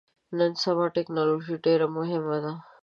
نن سبا ټکنالوژي ډیره مهمه ده